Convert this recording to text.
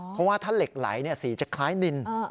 เพราะว่าถ้าเหล็กไหลสีจะคล้ายนิน